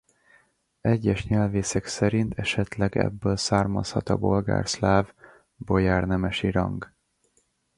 Egyes nyelvészek szerint esetleg ebből származhat a bolgár-szláv bojár nemesi rang.